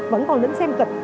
vẫn còn đến xem kịch